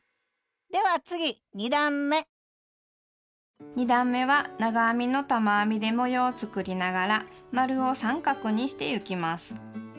では次２段め２段めは長編みの玉編みで模様を作りながら円を三角にしてゆきます。